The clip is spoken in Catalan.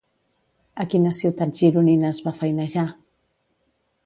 A quines ciutats gironines va feinejar?